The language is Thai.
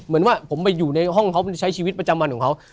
เหมือนว่าผมไปอยู่ในห้องเขาใช้ชีวิตประจำวันของเขา